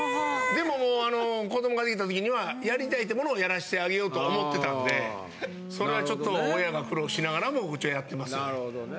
でももう子どもが出来た時にはやりたいってものをやらしてあげようと思ってたのでそれはちょっと親が苦労しながらもうちはやってますね。